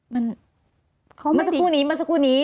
เมื่อสักครู่นี้เมื่อสักครู่นี้